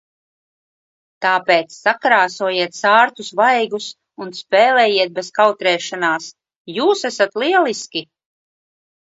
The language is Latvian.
Tāpēc sakrāsojiet sārtus vaigus un spēlējiet bez kautrēšanās. Jūs esat lieliski!